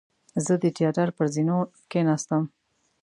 زه د تیاتر پر زینو کېناستم.